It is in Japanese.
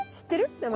名前。